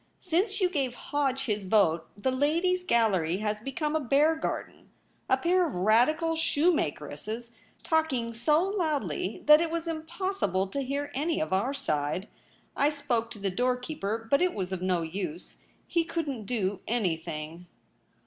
Since you gave Hodge his vote the Ladies' Gallery has become a bear garden — a pair of Radical shoemakeresses talking so loudly that It was Impossible to hear any of our side. I spoke to the doorkeeper, but it was of no use ; he couldn't do anything.'